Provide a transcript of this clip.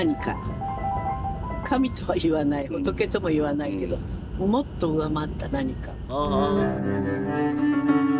神とは言わない仏とも言わないけどもっと上回った何か。